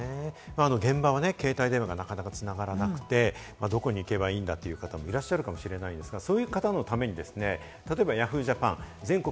現場は携帯電話がなかなか繋がらなくて、どこに行けばいいんだという方もいらっしゃるかもしれませんが、そういう方のために、例えばＹａｈｏｏ！ＪＡＰＡＮ、全国